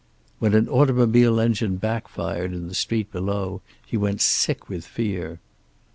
When an automobile engine back fired in the street below he went sick with fear.